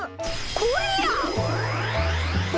これや！